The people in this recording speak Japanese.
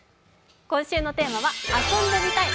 今週のテーマは「遊んでみたい！